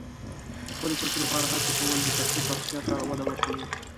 د خپلې خوښې لپاره هڅې کول د شخصیت پراختیا ته وده ورکوي.